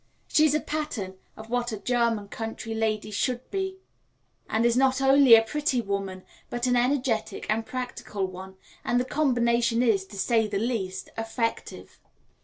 She is a pattern of what a German country lady should be, and is not only a pretty woman but an energetic and practical one, and the combination is, to say the least, effective.